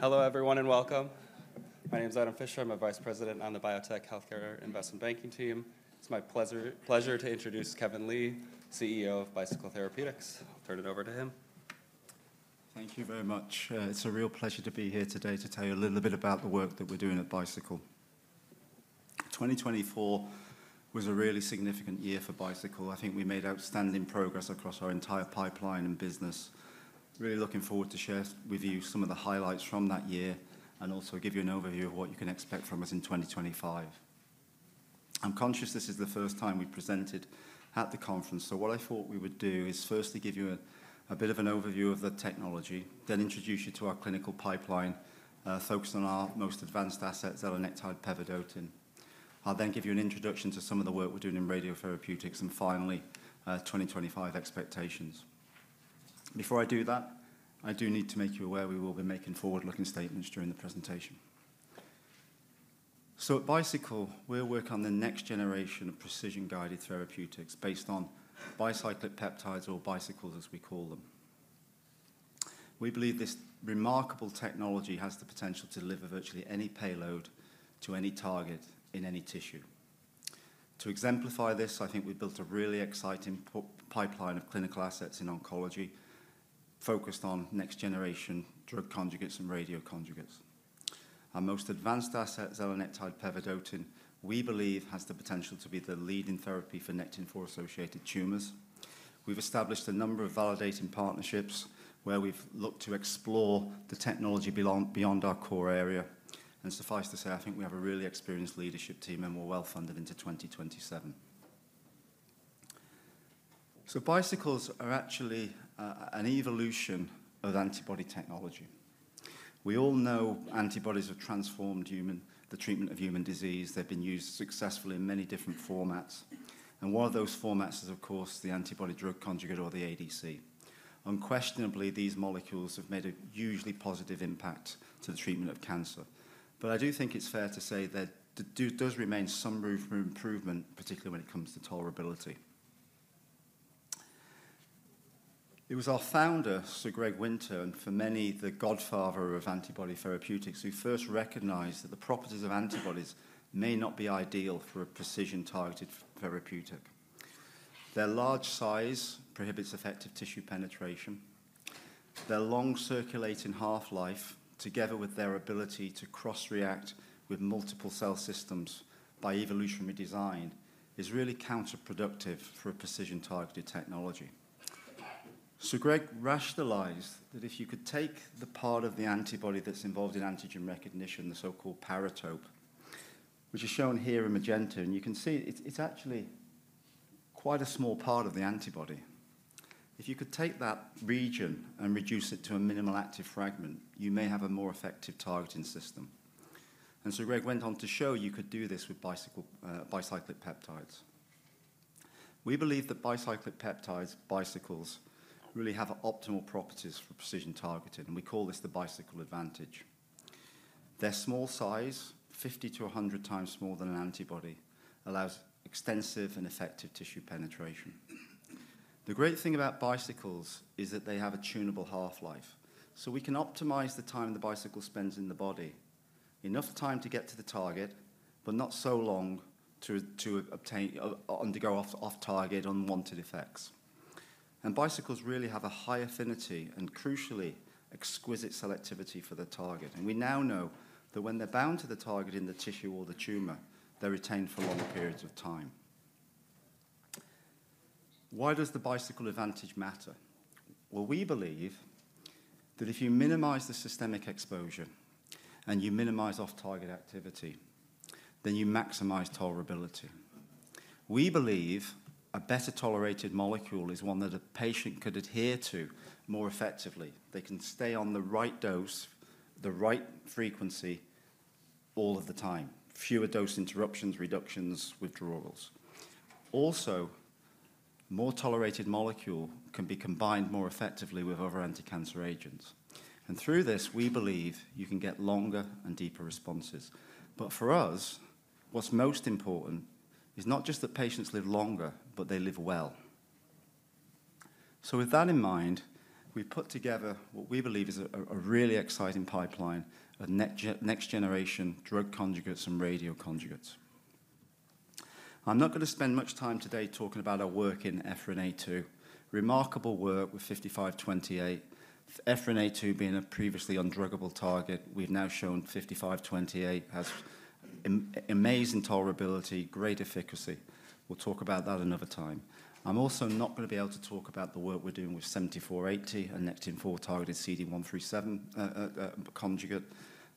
Hello everyone and welcome. My name is Adam Fisher. I'm a Vice President on the Biotech, Healthcare, Investment Banking team. It's my pleasure to introduce Kevin Lee, CEO of Bicycle Therapeutics. I'll turn it over to him. Thank you very much. It's a real pleasure to be here today to tell you a little bit about the work that we're doing at Bicycle. 2024 was a really significant year for Bicycle. I think we made outstanding progress across our entire pipeline and business. Really looking forward to share with you some of the highlights from that year and also give you an overview of what you can expect from us in 2025. I'm conscious this is the first time we've presented at the conference, so what I thought we would do is firstly give you a bit of an overview of the technology, then introduce you to our clinical pipeline focused on our most advanced asset, zelenectide pevedotin. I'll then give you an introduction to some of the work we're doing in radiotherapeutics and finally 2025 expectations. Before I do that, I do need to make you aware we will be making forward-looking statements during the presentation, so at Bicycle, we'll work on the next generation of precision-guided therapeutics based on bicyclic peptides, or bicycles as we call them. We believe this remarkable technology has the potential to deliver virtually any payload to any target in any tissue. To exemplify this, I think we've built a really exciting pipeline of clinical assets in oncology focused on next-generation drug conjugates and radioconjugates. Our most advanced asset, zelenectide pevedotin, we believe has the potential to be the leading therapy for Nectin-4-associated tumors. We've established a number of validating partnerships where we've looked to explore the technology beyond our core area, and suffice to say, I think we have a really experienced leadership team and we're well funded into 2027. So bicycles are actually an evolution of antibody technology. We all know antibodies have transformed the treatment of human disease. They've been used successfully in many different formats. And one of those formats is, of course, the antibody-drug conjugate, or the ADC. Unquestionably, these molecules have made a hugely positive impact to the treatment of cancer. But I do think it's fair to say there does remain some room for improvement, particularly when it comes to tolerability. It was our founder, Sir Greg Winter, and for many, the godfather of antibody therapeutics, who first recognized that the properties of antibodies may not be ideal for a precision-targeted therapeutic. Their large size prohibits effective tissue penetration. Their long circulating half-life, together with their ability to cross-react with multiple cell systems by evolutionary design, is really counterproductive for a precision-targeted technology. Sir Greg rationalized that if you could take the part of the antibody that's involved in antigen recognition, the so-called paratope, which is shown here in magenta, and you can see it's actually quite a small part of the antibody. If you could take that region and reduce it to a minimal active fragment, you may have a more effective targeting system, and Sir Greg went on to show you could do this with bicyclic peptides. We believe that bicyclic peptides, bicycles, really have optimal properties for precision targeting. We call this the bicycle advantage. Their small size, 50 to 100 times smaller than an antibody, allows extensive and effective tissue penetration. The great thing about bicycles is that they have a tunable half-life. So we can optimize the time the bicycle spends in the body, enough time to get to the target, but not so long to undergo off-target, unwanted effects. And bicycles really have a high affinity and, crucially, exquisite selectivity for the target. And we now know that when they're bound to the target in the tissue or the tumor, they're retained for long periods of time. Why does the bicycle advantage matter? Well, we believe that if you minimize the systemic exposure and you minimize off-target activity, then you maximize tolerability. We believe a better tolerated molecule is one that a patient could adhere to more effectively. They can stay on the right dose, the right frequency, all of the time. Fewer dose interruptions, reductions, withdrawals. Also, more tolerated molecules can be combined more effectively with other anti-cancer agents. And through this, we believe you can get longer and deeper responses. But for us, what's most important is not just that patients live longer, but they live well. So with that in mind, we've put together what we believe is a really exciting pipeline of next-generation drug conjugates and radio conjugates. I'm not going to spend much time today talking about our work in EphA2. Remarkable work with 5528. EphA2 being a previously undruggable target, we've now shown 5528 has amazing tolerability, great efficacy. We'll talk about that another time. I'm also not going to be able to talk about the work we're doing with 7480, a Nectin-4-targeted CD137 conjugate.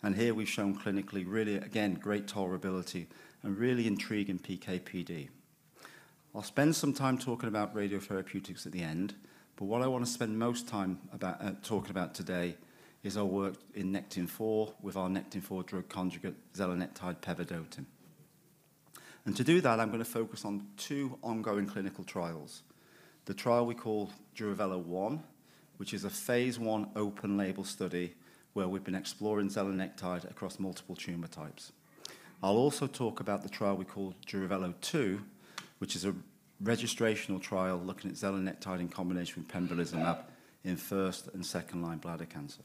And here we've shown clinically, really, again, great tolerability and really intriguing PKPD. I'll spend some time talking about radiotherapeutics at the end, but what I want to spend most time talking about today is our work in Nectin-4 with our Nectin-4 drug conjugate, Zelenectide pevedotin. And to do that, I'm going to focus on two ongoing clinical trials. The trial we call Duravelo-1, which is a phase one open-label study where we've been exploring Zelenectide across multiple tumor types. I'll also talk about the trial we call Duravelo-2, which is a registrational trial looking at Zelenectide in combination with pembrolizumab in first and second-line bladder cancer.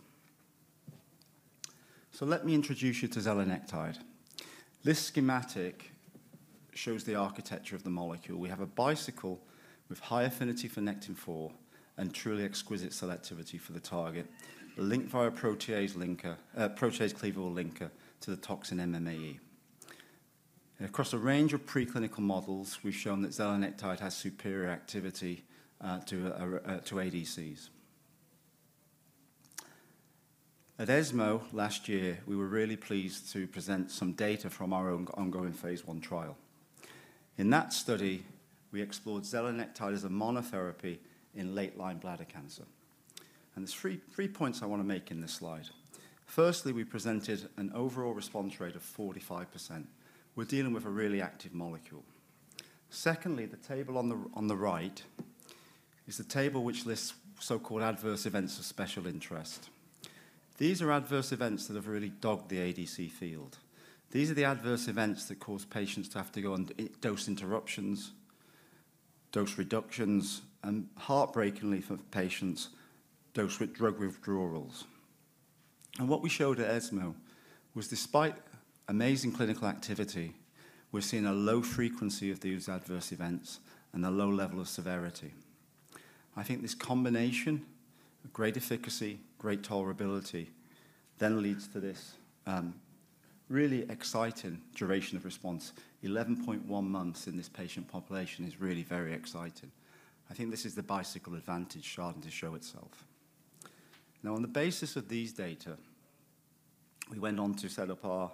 So let me introduce you to Zelenectide. This schematic shows the architecture of the molecule. We have a bicycle with high affinity for Nectin-4 and truly exquisite selectivity for the target, linked via protease cleavable linker to the toxin MMAE. Across a range of preclinical models, we've shown that Zelenectide has superior activity to ADCs. At ESMO last year, we were really pleased to present some data from our own ongoing phase one trial. In that study, we explored Zelenectide as a monotherapy in late-line bladder cancer. And there's three points I want to make in this slide. Firstly, we presented an overall response rate of 45%. We're dealing with a really active molecule. Secondly, the table on the right is the table which lists so-called adverse events of special interest. These are adverse events that have really dogged the ADC field. These are the adverse events that cause patients to have to go on dose interruptions, dose reductions, and heartbreakingly for patients, dose drug withdrawals. What we showed at ESMO was, despite amazing clinical activity, we're seeing a low frequency of these adverse events and a low level of severity. I think this combination of great efficacy, great tolerability then leads to this really exciting duration of response. 11.1 months in this patient population is really very exciting. I think this is the Bicycle advantage starting to show itself. Now, on the basis of these data, we went on to set up our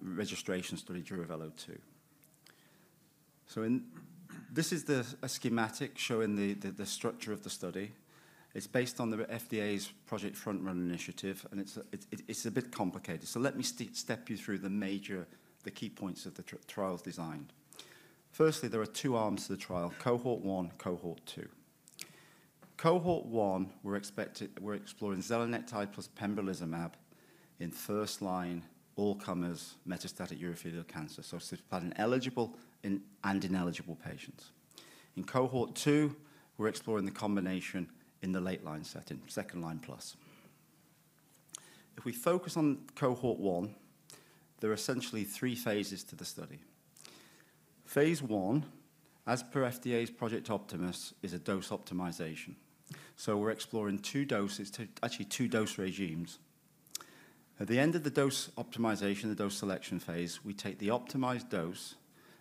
registration study Duravelo-2. This is a schematic showing the structure of the study. It's based on the FDA's Project FrontRunner initiative, and it's a bit complicated. Let me step you through the key points of the trial's design. Firstly, there are two arms to the trial, Cohort One, Cohort Two. Cohort One, we're exploring Zelenectide plus Pembrolizumab in first-line, all-comers, metastatic urothelial cancer. It's about eligible and ineligible patients. In Cohort Two, we're exploring the combination in the late-line setting, second-line plus. If we focus on Cohort One, there are essentially three phases to the study. Phase one, as per FDA's Project Optimus, is a dose optimization. We're exploring two doses, actually two dose regimens. At the end of the dose optimization, the dose selection phase, we take the optimized dose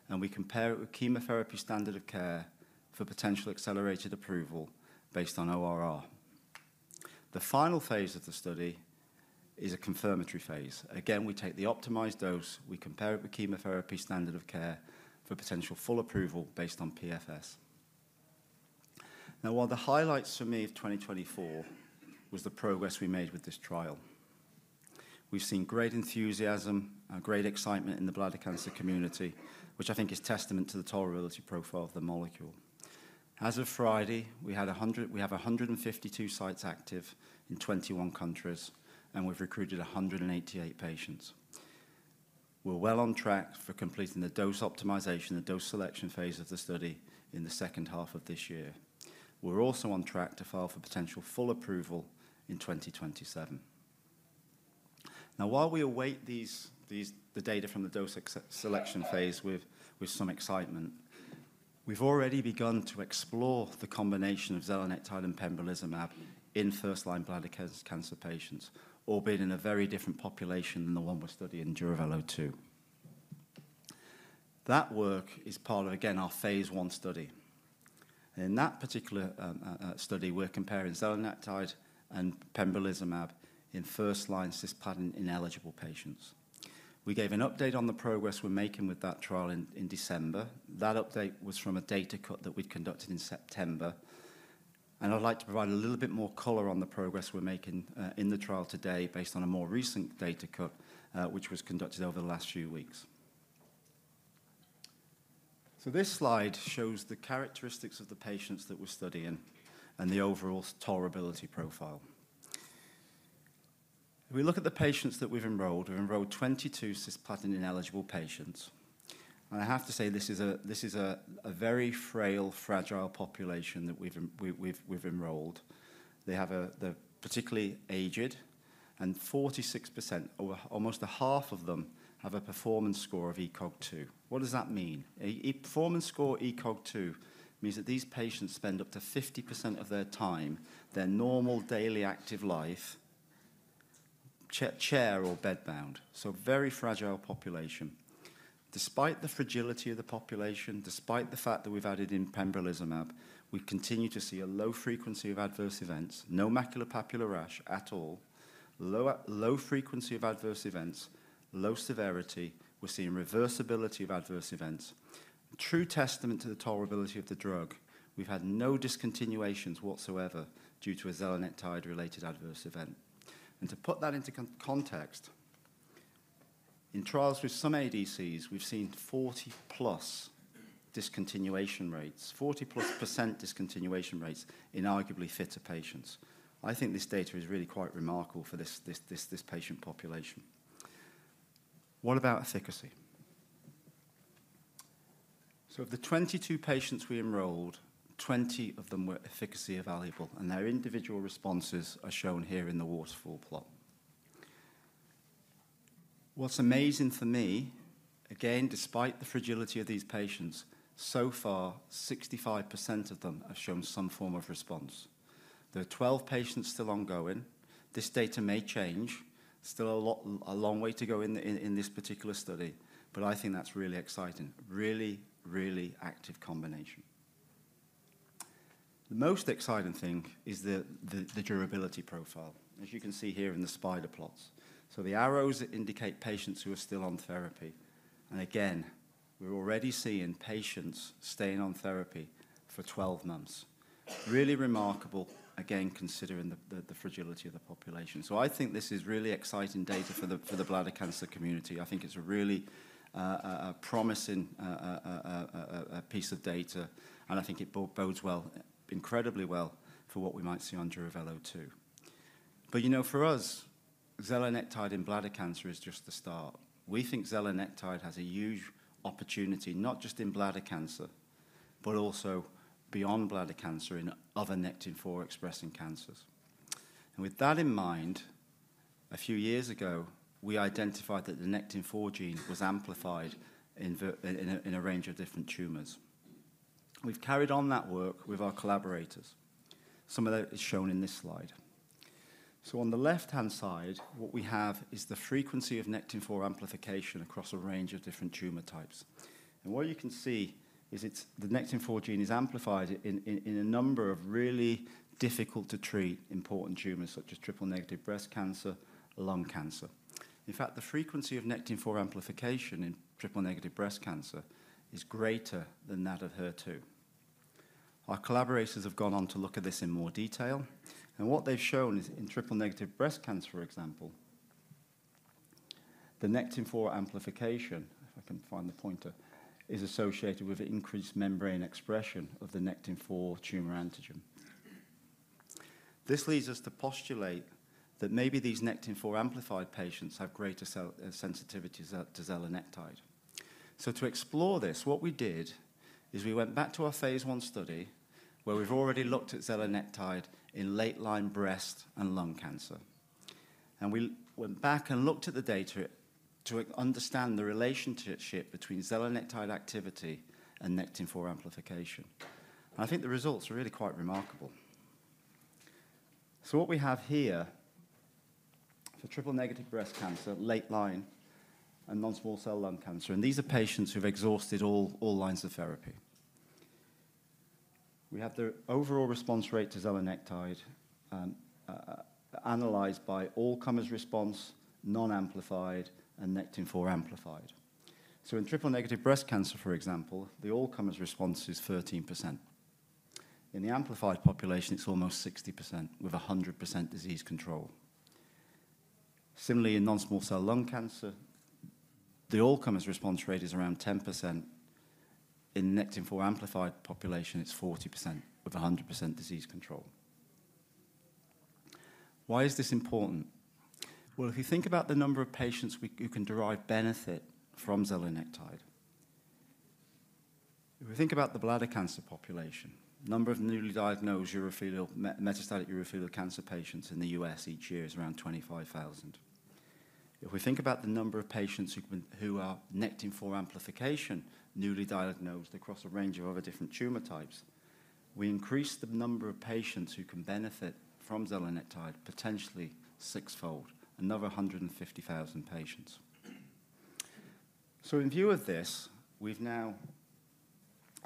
and we compare it with chemotherapy standard of care for potential accelerated approval based on ORR. The final phase of the study is a confirmatory phase. Again, we take the optimized dose, we compare it with chemotherapy standard of care for potential full approval based on PFS. Now, one of the highlights for me of 2024 was the progress we made with this trial. We've seen great enthusiasm and great excitement in the bladder cancer community, which I think is testament to the tolerability profile of the molecule. As of Friday, we have 152 sites active in 21 countries, and we've recruited 188 patients. We're well on track for completing the dose optimization and dose selection phase of the study in the second half of this year. We're also on track to file for potential full approval in 2027. Now, while we await the data from the dose selection phase with some excitement, we've already begun to explore the combination of Zelenectide and Pembrolizumab in first-line bladder cancer patients, albeit in a very different population than the one we're studying in Duravelo-2. That work is part of, again, our phase one study. In that particular study, we're comparing Zelenectide and Pembrolizumab in first-line cisplatin-ineligible patients. We gave an update on the progress we're making with that trial in December. That update was from a data cut that we conducted in September, and I'd like to provide a little bit more color on the progress we're making in the trial today based on a more recent data cut, which was conducted over the last few weeks, so this slide shows the characteristics of the patients that we're studying and the overall tolerability profile. We look at the patients that we've enrolled. We've enrolled 22 cisplatin ineligible patients, and I have to say this is a very frail, fragile population that we've enrolled. They have particularly aged, and 46%, almost half of them, have a performance score of ECOG 2. What does that mean? A performance score ECOG 2 means that these patients spend up to 50% of their time, their normal daily active life, chair or bedbound. So very fragile population. Despite the fragility of the population, despite the fact that we've added in Pembrolizumab, we continue to see a low frequency of adverse events, no maculopapular rash at all, low frequency of adverse events, low severity. We're seeing reversibility of adverse events. True testament to the tolerability of the drug. We've had no discontinuations whatsoever due to a Zelenectide-related adverse event. And to put that into context, in trials with some ADCs, we've seen 40-plus discontinuation rates, 40-plus% discontinuation rates in arguably fitter patients. I think this data is really quite remarkable for this patient population. What about efficacy? Of the 22 patients we enrolled, 20 of them were efficacy evaluable, and their individual responses are shown here in the waterfall plot. What's amazing for me, again, despite the fragility of these patients, so far, 65% of them have shown some form of response. There are 12 patients still ongoing. This data may change. Still a long way to go in this particular study, but I think that's really exciting. Really, really active combination. The most exciting thing is the durability profile, as you can see here in the spider plots. The arrows indicate patients who are still on therapy. And again, we're already seeing patients staying on therapy for 12 months. Really remarkable, again, considering the fragility of the population. So I think this is really exciting data for the bladder cancer community. I think it's a really promising piece of data, and I think it bodes well, incredibly well for what we might see on Duravelo-2. But for us, Zelenectide in bladder cancer is just the start. We think Zelenectide has a huge opportunity, not just in bladder cancer, but also beyond bladder cancer in other Nectin-4-expressing cancers. And with that in mind, a few years ago, we identified that the Nectin-4 gene was amplified in a range of different tumors. We've carried on that work with our collaborators. Some of that is shown in this slide. So on the left-hand side, what we have is the frequency of Nectin-4 amplification across a range of different tumor types. What you can see is the Nectin-4 gene is amplified in a number of really difficult-to-treat important tumors, such as triple-negative breast cancer, lung cancer. In fact, the frequency of Nectin-4 amplification in triple-negative breast cancer is greater than that of HER2. Our collaborators have gone on to look at this in more detail. What they've shown is in triple-negative breast cancer, for example, the Nectin-4 amplification, if I can find the pointer, is associated with increased membrane expression of the Nectin-4 tumor antigen. This leads us to postulate that maybe these Nectin-4 amplified patients have greater sensitivity to Zelenectide. To explore this, what we did is we went back to our phase one study where we've already looked at Zelenectide in late-line breast and lung cancer. We went back and looked at the data to understand the relationship between Zelenectide activity and Nectin-4 amplification. I think the results are really quite remarkable. What we have here for triple-negative breast cancer, late-line, and non-small cell lung cancer, and these are patients who've exhausted all lines of therapy. We have the overall response rate to Zelenectide analyzed by all-comers response, non-amplified, and Nectin-4 amplified. In triple-negative breast cancer, for example, the all-comers response is 13%. In the amplified population, it's almost 60% with 100% disease control. Similarly, in non-small cell lung cancer, the all-comers response rate is around 10%. In Nectin-4 amplified population, it's 40% with 100% disease control. Why is this important? Well, if you think about the number of patients who can derive benefit from Zelenectide, if we think about the bladder cancer population, the number of newly diagnosed metastatic urothelial cancer patients in the U.S. each year is around 25,000. If we think about the number of patients who are Nectin-4 amplification newly diagnosed across a range of other different tumor types, we increase the number of patients who can benefit from Zelenectide potentially sixfold, another 150,000 patients, so in view of this, we've now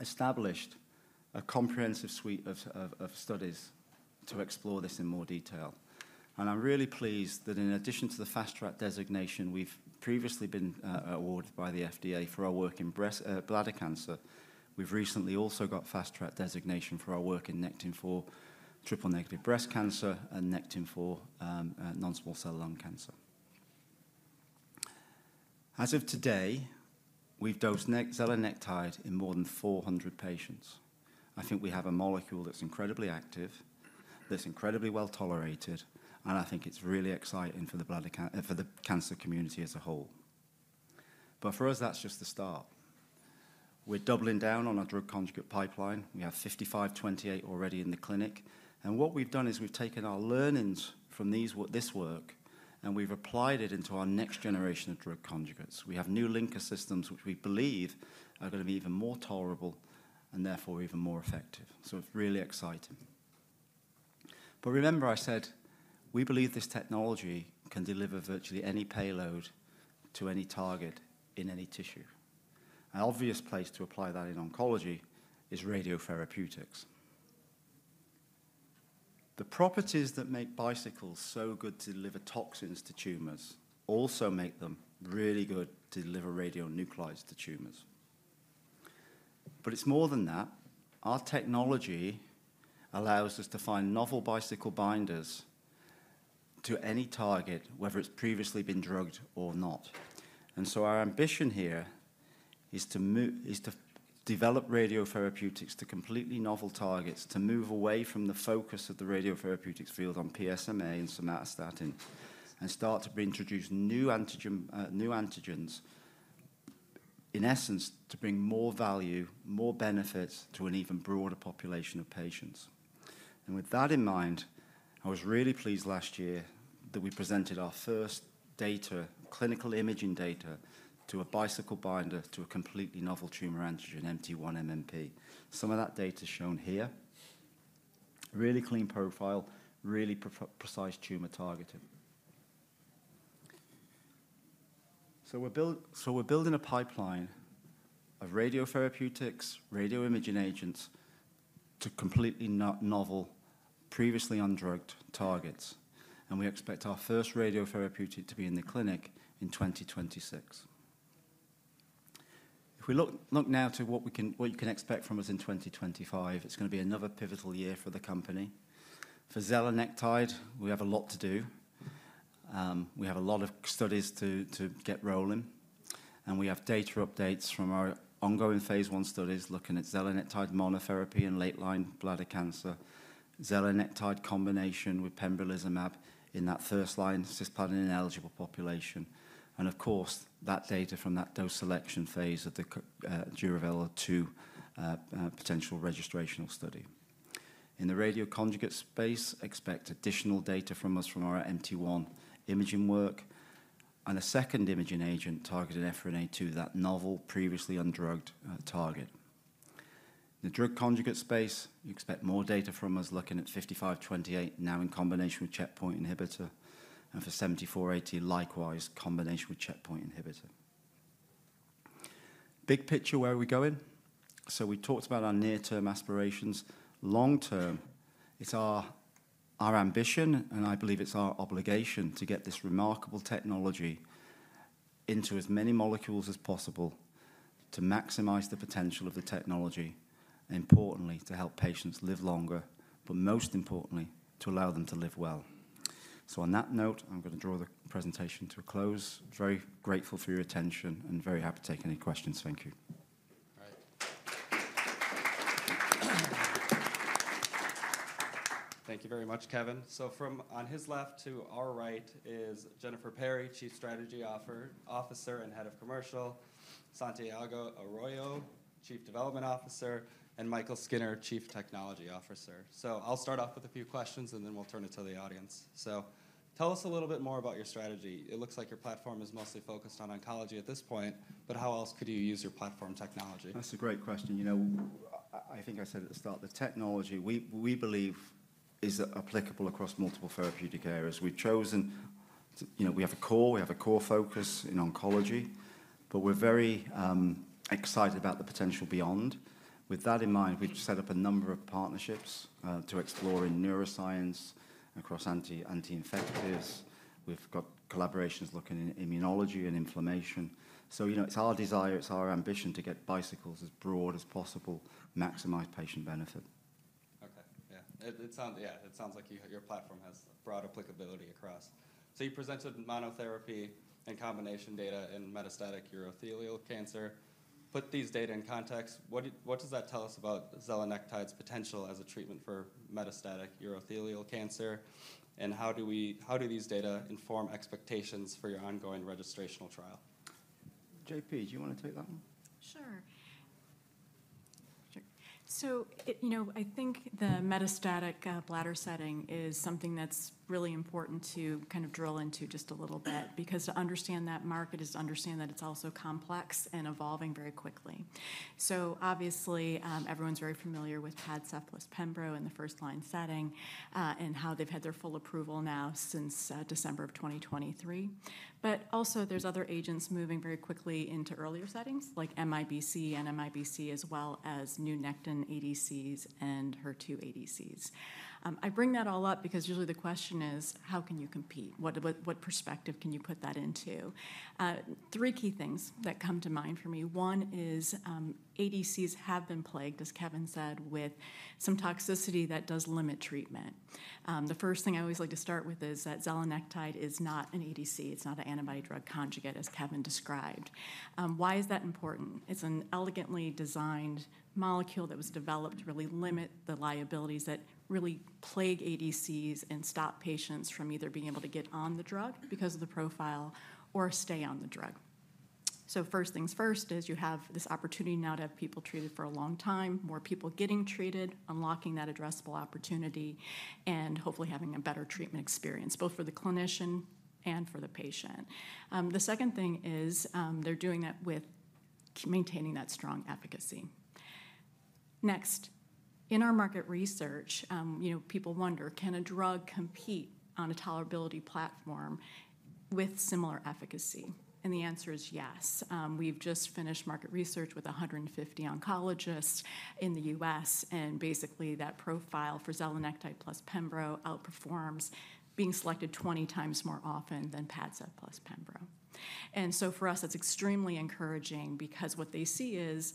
established a comprehensive suite of studies to explore this in more detail, and I'm really pleased that in addition to the Fast Track designation, we've previously been awarded by the FDA for our work in bladder cancer. We've recently also got Fast Track designation for our work in Nectin-4 triple-negative breast cancer and Nectin-4 non-small cell lung cancer. As of today, we've dosed Zelenectide in more than 400 patients. I think we have a molecule that's incredibly active, that's incredibly well tolerated, and I think it's really exciting for the cancer community as a whole. But for us, that's just the start. We're doubling down on our drug conjugate pipeline. We have 5528 already in the clinic. And what we've done is we've taken our learnings from this work, and we've applied it into our next generation of drug conjugates. We have new linker systems, which we believe are going to be even more tolerable and therefore even more effective. So it's really exciting. But remember, I said, we believe this technology can deliver virtually any payload to any target in any tissue. An obvious place to apply that in oncology is radiotherapeutics. The properties that make bicycles so good to deliver toxins to tumors also make them really good to deliver radionuclides to tumors. But it's more than that. Our technology allows us to find novel bicycle binders to any target, whether it's previously been drugged or not. And so our ambition here is to develop radiotherapeutics to completely novel targets, to move away from the focus of the radiotherapeutics field on PSMA and somatostatin and start to introduce new antigens in essence to bring more value, more benefits to an even broader population of patients. And with that in mind, I was really pleased last year that we presented our first data, clinical imaging data to a bicycle binder to a completely novel tumor antigen, MT1-MMP. Some of that data is shown here. Really clean profile, really precise tumor targeting. We're building a pipeline of radiotherapeutics, radio imaging agents to completely novel, previously undrugged targets. And we expect our first radiotherapeutic to be in the clinic in 2026. If we look now to what you can expect from us in 2025, it's going to be another pivotal year for the company. For Zelenectide, we have a lot to do. We have a lot of studies to get rolling. And we have data updates from our ongoing phase one studies looking at Zelenectide monotherapy in late-line bladder cancer, Zelenectide combination with Pembrolizumab in that first-line cisplatin ineligible population. And of course, that data from that dose selection phase of the Duravelo-2 potential registrational study. In the radioconjugate space, expect additional data from us from our MT1-MMP imaging work and a second imaging agent targeted EphA2, that novel previously undrugged target. In the drug conjugate space, you expect more data from us looking at BT5528 now in combination with checkpoint inhibitor and for BT7480 likewise combination with checkpoint inhibitor. Big picture, where are we going? So we talked about our near-term aspirations. Long-term, it's our ambition, and I believe it's our obligation to get this remarkable technology into as many molecules as possible to maximize the potential of the technology, and importantly, to help patients live longer, but most importantly, to allow them to live well. So on that note, I'm going to draw the presentation to a close. Very grateful for your attention and very happy to take any questions. Thank you. Thank you very much, Kevin. So from on his left to our right is Jennifer Perry, Chief Strategy Officer and Head of Commercial, Santiago Arroyo, Chief Development Officer, and Michael Skynner, Chief Technology Officer. So I'll start off with a few questions, and then we'll turn it to the audience. So tell us a little bit more about your strategy. It looks like your platform is mostly focused on oncology at this point, but how else could you use your platform technology? That's a great question. I think I said at the start, the technology we believe is applicable across multiple therapeutic areas. We've chosen we have a core focus in oncology, but we're very excited about the potential beyond. With that in mind, we've set up a number of partnerships to explore in neuroscience across anti-infectives. We've got collaborations looking in immunology and inflammation. So it's our desire, it's our ambition to get bicycles as broad as possible, maximize patient benefit. Okay. Yeah. It sounds like your platform has broad applicability across. So you presented monotherapy and combination data in metastatic urothelial cancer. Put these data in context, what does that tell us about Zelenectide's potential as a treatment for metastatic urothelial cancer? And how do these data inform expectations for your ongoing registrational trial? JP, do you want to take that one? Sure. So I think the metastatic bladder setting is something that's really important to kind of drill into just a little bit because to understand that market is to understand that it's also complex and evolving very quickly. So obviously, everyone's very familiar with Padcev plus pembro in the first-line setting and how they've had their full approval now since December of 2023. But also, there's other agents moving very quickly into earlier settings like MIBC and NMIBC, as well as new Nectin-4 ADCs and HER2 ADCs. I bring that all up because usually the question is, how can you compete? What perspective can you put that into? Three key things that come to mind for me. One is ADCs have been plagued, as Kevin said, with some toxicity that does limit treatment. The first thing I always like to start with is that Zelenectide is not an ADC. It's not an antibody drug conjugate, as Kevin described. Why is that important? It's an elegantly designed molecule that was developed to really limit the liabilities that really plague ADCs and stop patients from either being able to get on the drug because of the profile or stay on the drug. So first things first is you have this opportunity now to have people treated for a long time, more people getting treated, unlocking that addressable opportunity, and hopefully having a better treatment experience both for the clinician and for the patient. The second thing is they're doing that with maintaining that strong efficacy. Next, in our market research, people wonder, can a drug compete on a tolerability platform with similar efficacy? And the answer is yes. We've just finished market research with 150 oncologists in the U.S., and basically that profile for Zelenectide plus Pembro outperforms being selected 20 times more often than Padcev plus Pembro. And so for us, that's extremely encouraging because what they see is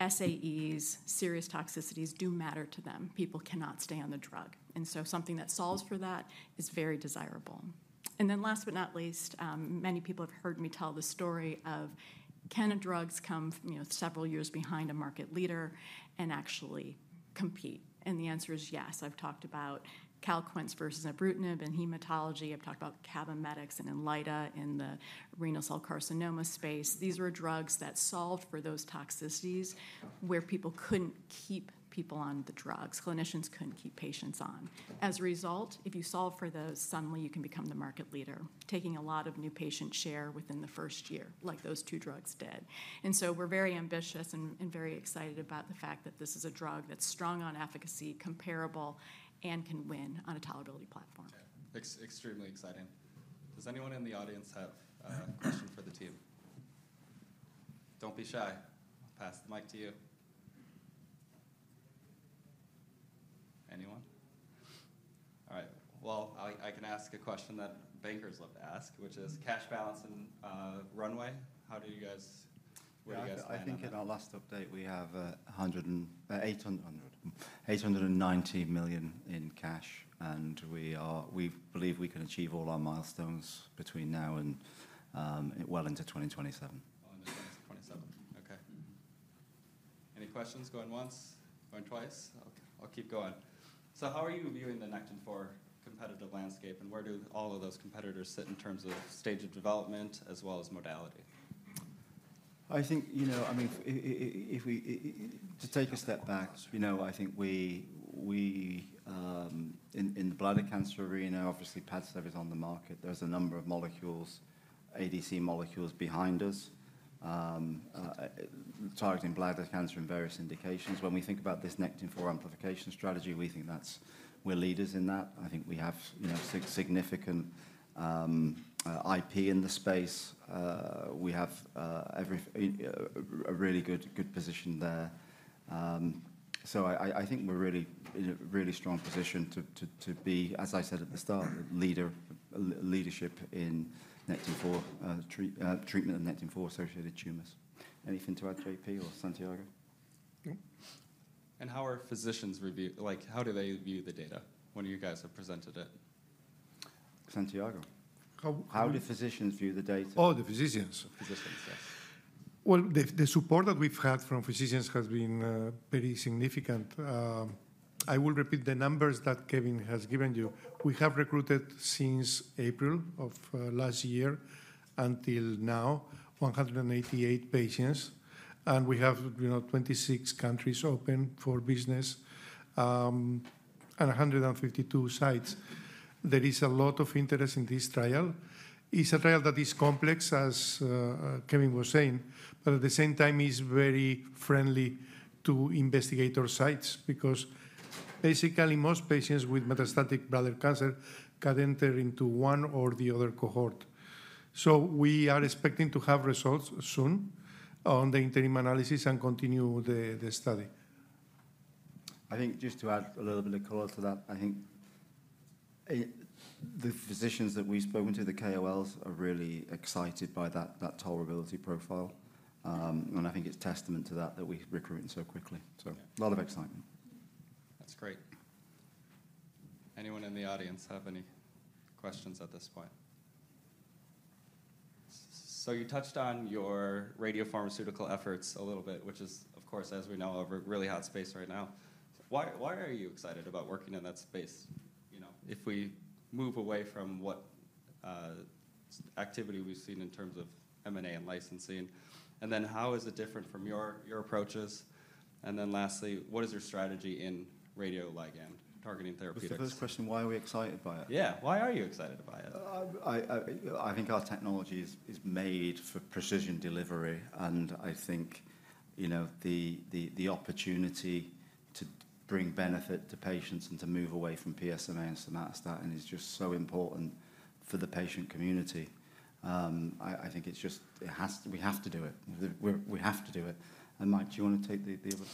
SAEs, serious toxicities do matter to them. People cannot stay on the drug. And so something that solves for that is very desirable. And then last but not least, many people have heard me tell the story of can drugs come several years behind a market leader and actually compete? And the answer is yes. I've talked about Calquence versus ibrutinib in hematology. I've talked about Cabometyx and Inlyta in the renal cell carcinoma space. These were drugs that solved for those toxicities where people couldn't keep people on the drugs. Clinicians couldn't keep patients on. As a result, if you solve for those, suddenly you can become the market leader, taking a lot of new patient share within the first year, like those two drugs did. And so we're very ambitious and very excited about the fact that this is a drug that's strong on efficacy, comparable, and can win on a tolerability platform. Excellent. Extremely exciting. Does anyone in the audience have a question for the team? Don't be shy. I'll pass the mic to you. Anyone? All right. Well, I can ask a question that bankers love to ask, which is cash balance and runway. How do you guys plan that? I think in our last update, we have $890 million in cash, and we believe we can achieve all our milestones between now and well into 2027. Into 2027. Okay. Any questions? Going once, going twice. I'll keep going. How are you viewing the Nectin-4 competitive landscape, and where do all of those competitors sit in terms of stage of development as well as modality? I think, you know, I mean, to take a step back, I think in the bladder cancer arena, obviously Padcev is on the market. There's a number of molecules, ADC molecules behind us targeting bladder cancer in various indications. When we think about this Nectin-4 amplification strategy, we think we're leaders in that. I think we have significant IP in the space. We have a really good position there. So I think we're in a really strong position to be, as I said at the start, leadership in treatment of Nectin-4 associated tumors. Anything to add, JP or Santiago? How are physicians viewing the data? When you guys have presented it? Santiago. How do physicians view the data? Oh, the physicians. Physicians, yes. The support that we've had from physicians has been pretty significant. I will repeat the numbers that Kevin has given you. We have recruited since April of last year until now, 188 patients, and we have 26 countries open for business and 152 sites. There is a lot of interest in this trial. It's a trial that is complex, as Kevin was saying, but at the same time, it's very friendly to investigator sites because basically most patients with metastatic bladder cancer can enter into one or the other cohort. We are expecting to have results soon on the interim analysis and continue the study. I think just to add a little bit of color to that, I think the physicians that we've spoken to, the KOLs, are really excited by that tolerability profile, and I think it's testament to that that we're recruiting so quickly, so a lot of excitement. That's great. Anyone in the audience have any questions at this point? You touched on your radiopharmaceutical efforts a little bit, which is, of course, as we know, a really hot space right now. Why are you excited about working in that space? If we move away from what activity we've seen in terms of M&A and licensing, and then how is it different from your approaches? And then lastly, what is your strategy in radioligand targeting therapeutics? First question, why are we excited by it? Yeah. Why are you excited about it? I think our technology is made for precision delivery, and I think the opportunity to bring benefit to patients and to move away from PSMA and somatostatins is just so important for the patient community. I think it's just we have to do it. We have to do it, and Mike, do you want to take the other?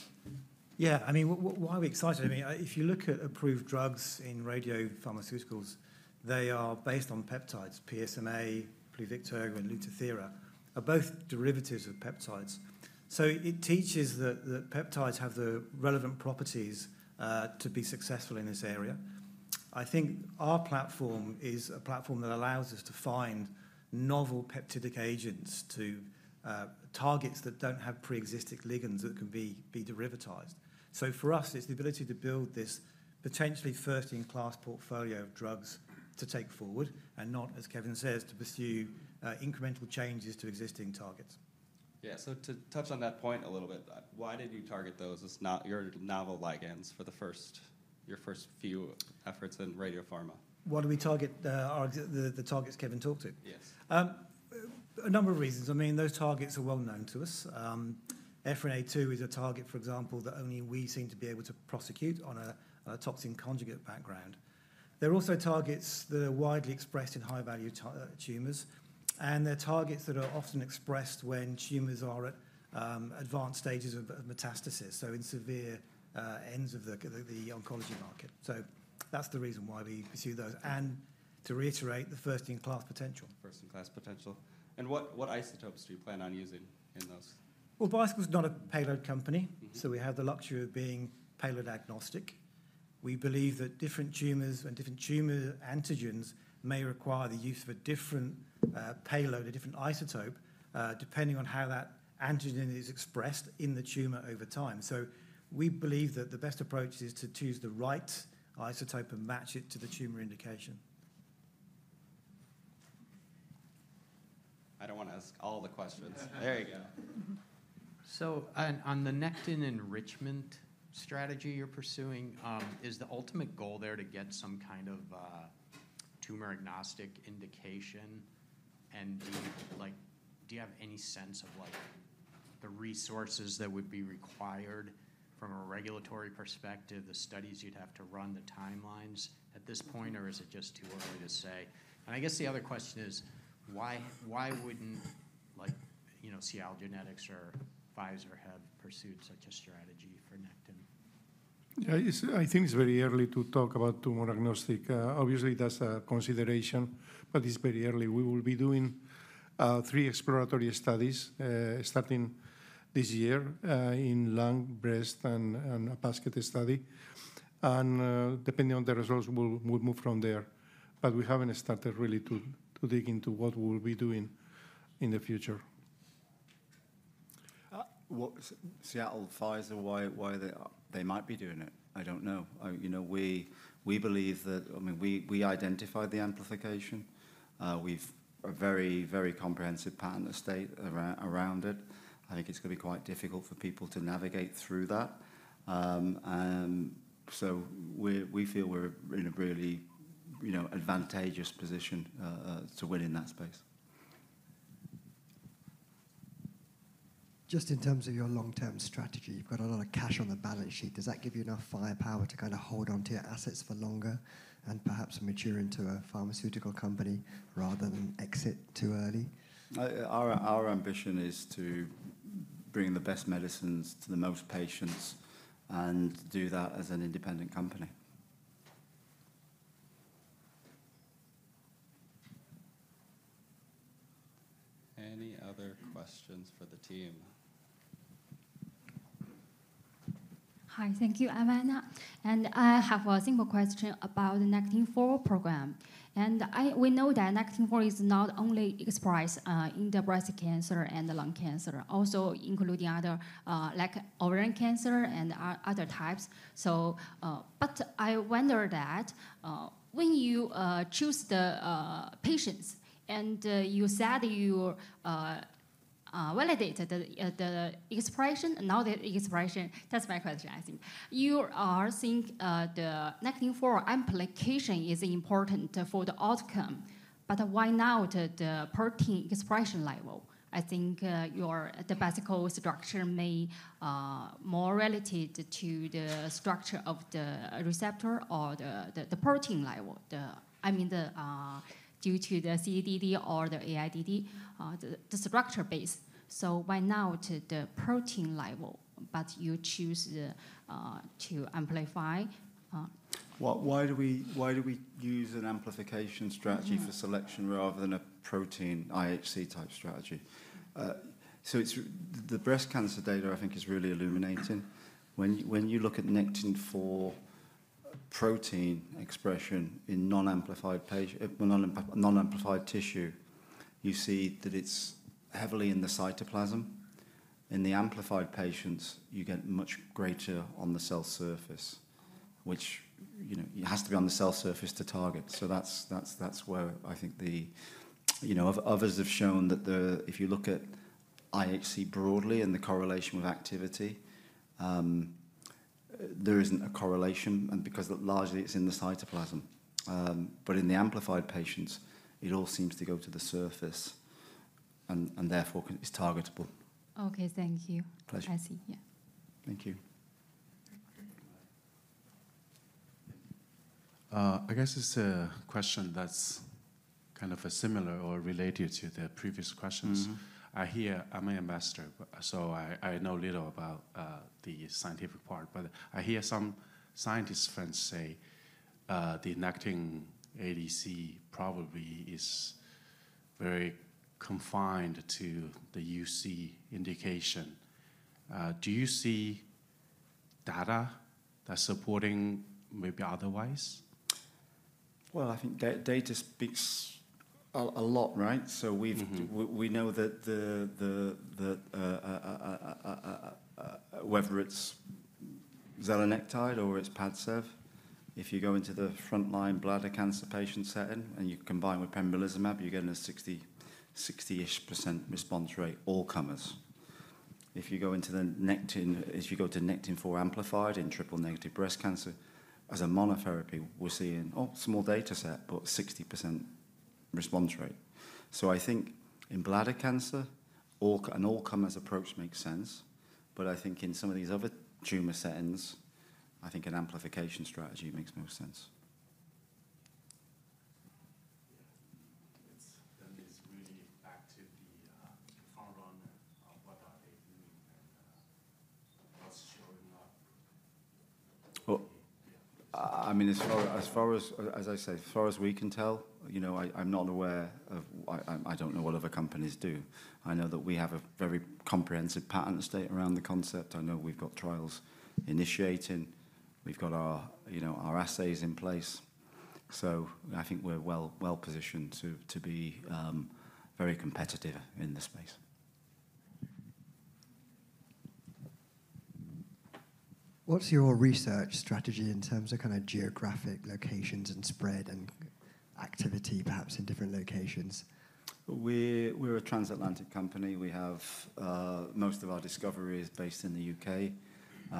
Yeah. I mean, why are we excited? I mean, if you look at approved drugs in radiopharmaceuticals, they are based on peptides. PSMA, Pluvicto, and Lutathera are both derivatives of peptides. So it teaches that peptides have the relevant properties to be successful in this area. I think our platform is a platform that allows us to find novel peptidic agents to targets that don't have pre-existing ligands that can be derivatized. So for us, it's the ability to build this potentially first-in-class portfolio of drugs to take forward and not, as Kevin says, to pursue incremental changes to existing targets. Yeah. So to touch on that point a little bit, why did you target those as your novel ligands for your first few efforts in radiopharma? Why do we target the targets Kevin talked about? Yes. A number of reasons. I mean, those targets are well known to us. EphA2 is a target, for example, that only we seem to be able to prosecute on a toxin conjugate background. There are also targets that are widely expressed in high-value tumors, and there are targets that are often expressed when tumors are at advanced stages of metastasis, so in severe ends of the oncology market. So that's the reason why we pursue those, and to reiterate, the first-in-class potential. First-in-class potential. And what isotopes do you plan on using in those? Bicycle is not a payload company. We have the luxury of being payload agnostic. We believe that different tumors and different tumor antigens may require the use of a different payload, a different isotope, depending on how that antigen is expressed in the tumor over time. We believe that the best approach is to choose the right isotope and match it to the tumor indication. I don't want to ask all the questions. There you go. So on the Nectin enrichment strategy you're pursuing, is the ultimate goal there to get some kind of tumor-agnostic indication? And do you have any sense of the resources that would be required from a regulatory perspective, the studies you'd have to run, the timelines at this point, or is it just too early to say? And I guess the other question is, why wouldn't Seagen or Pfizer have pursued such a strategy for Nectin? Yeah, I think it's very early to talk about tumor-agnostic. Obviously, that's a consideration, but it's very early. We will be doing three exploratory studies starting this year in lung, breast, and a basket study, and depending on the results, we'll move from there, but we haven't started really to dig into what we'll be doing in the future. Seattle, Pfizer, why they might be doing it, I don't know. We believe that we identified the amplification. We've a very, very comprehensive patent estate around it. I think it's going to be quite difficult for people to navigate through that. So we feel we're in a really advantageous position to win in that space. Just in terms of your long-term strategy, you've got a lot of cash on the balance sheet. Does that give you enough firepower to kind of hold onto your assets for longer and perhaps mature into a pharmaceutical company rather than exit too early? Our ambition is to bring the best medicines to the most patients and do that as an independent company. Any other questions for the team? Hi, thank you, Amanda. And I have a simple question about the Nectin-4 program. And we know that Nectin-4 is not only expressed in the breast cancer and the lung cancer, also including other like ovarian cancer and other types. But I wonder that when you choose the patients and you said you validated the expression, now the expression, that's my question, I think. You are saying the Nectin-4 application is important for the outcome, but why not the protein expression level? I think you're the basic structure may be more related to the structure of the receptor or the protein level. I mean, due to the CDC or the ADCC, the structure base. So why not the protein level, but you choose to amplify? Why do we use an amplification strategy for selection rather than a protein IHC type strategy? So the breast cancer data, I think, is really illuminating. When you look at Nectin-4 protein expression in non-amplified tissue, you see that it's heavily in the cytoplasm. In the amplified patients, you get much greater on the cell surface, which has to be on the cell surface to target. So that's where I think the others have shown that if you look at IHC broadly and the correlation with activity, there isn't a correlation because largely it's in the cytoplasm. But in the amplified patients, it all seems to go to the surface and therefore is targetable. Okay, thank you. Pleasure. I see. Yeah. Thank you. I guess it's a question that's kind of similar or related to the previous questions. I hear I'm an ambassador, so I know little about the scientific part, but I hear some scientist friends say the Nectin-4 ADC probably is very confined to the UC indication. Do you see data that's supporting maybe otherwise? I think data speaks a lot, right? We know that whether it's Zelenectide or it's Padcev, if you go into the frontline bladder cancer patient setting and you combine with Pembrolizumab, you're getting a 60-ish% response rate, all comers. If you go into the Nectin-4 amplified in triple-negative breast cancer as a monotherapy, we're seeing a small data set, but 60% response rate. I think in bladder cancer, an all comers approach makes sense. I think in some of these other tumor settings, I think an amplification strategy makes more sense. It's really back to the FrontRunner, what are they doing and what's showing up? I mean, as far as we can tell, I'm not aware. I don't know what other companies do. I know that we have a very comprehensive patent estate around the concept. I know we've got trials initiating. We've got our assays in place. So I think we're well positioned to be very competitive in this space. What's your research strategy in terms of kind of geographic locations and spread and activity, perhaps in different locations? We're a transatlantic company. Most of our discovery is based in the U.K.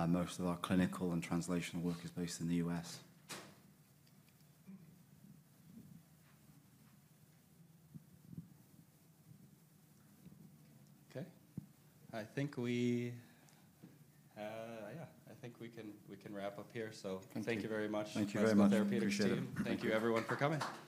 Most of our clinical and translational work is based in the U.S. Okay. I think we can wrap up here. So thank you very much. Thank you very much. Thank you, everyone, for coming.